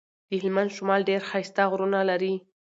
د هلمند شمال ډير ښايسته غرونه لري.